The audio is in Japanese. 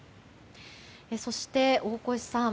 そして、大越さん